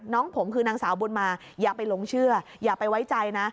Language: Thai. น้องผมคือนางสาวบุญมาอย่าไปหลงเชื่ออย่าไปไว้ใจนะ